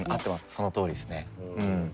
そのとおりですね。